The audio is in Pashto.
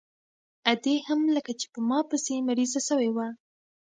ادې هم لکه چې په ما پسې مريضه سوې وه.